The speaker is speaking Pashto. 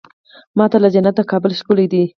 ما ته له جنته کابل ښکلی دی.